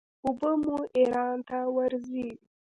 اوبه مو ایران ته ورځي.